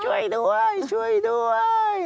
ช่วยด้วยช่วยด้วย